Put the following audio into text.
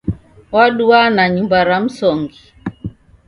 Waduwa na nyumba ra msongi.